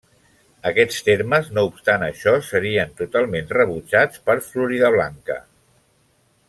Aquests termes, no obstant això, serien totalment rebutjats per Floridablanca.